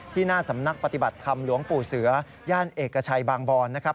หน้าสำนักปฏิบัติธรรมหลวงปู่เสือย่านเอกชัยบางบอนนะครับ